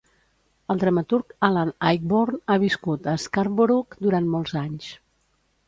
El dramaturg Alan Ayckbourn ha viscut a Scarborough durant molts anys.